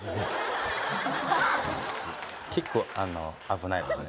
結構あの危ないですね